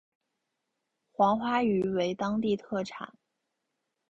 黄花鱼为当地特产。